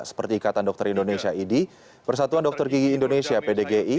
seperti ikatan dokter indonesia idi persatuan dokter gigi indonesia pdgi